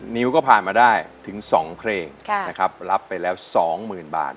นิวก็ผ่านมาได้ถึง๒เพลงรับไปแล้ว๒๐๐๐๐บาท